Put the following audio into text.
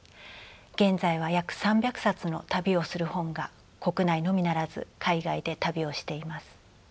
現在は約３００冊の「旅をする本」が国内のみならず海外で旅をしています。